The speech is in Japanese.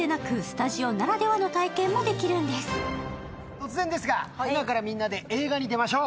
突然ですが、今からみんなで映画に出ましょう。